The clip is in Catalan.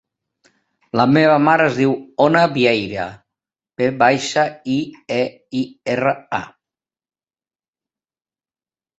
La meva mare es diu Ona Vieira: ve baixa, i, e, i, erra, a.